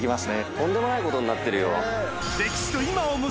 とんでもないことになってるよ。